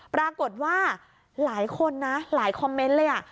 ปรากฏว่าหลายคนนะหลายคอมเมนต์เลย